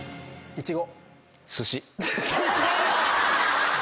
・イチゴ？